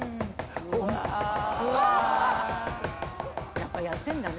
やっぱやってんだね。